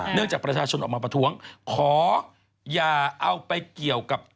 จากประชาชนออกมาประท้วงขออย่าเอาไปเกี่ยวกับ